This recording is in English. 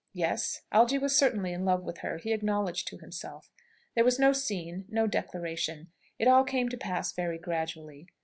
Yes; Algy was certainly in love with her, he acknowledged to himself. There was no scene, no declaration. It all came to pass very gradually.